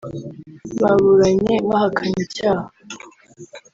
baburanye bahakana icyaha